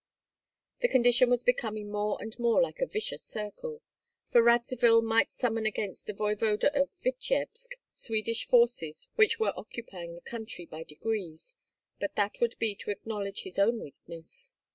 The condition was becoming more and more like a vicious circle; for Radzivill might summon against the voevoda of Vityebsk Swedish forces which were occupying the country by degrees, but that would be to acknowledge his own weakness.